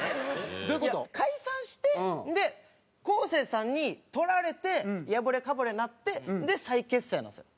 どういう事？解散して、昴生さんに取られて破れかぶれになって再結成なんですよ。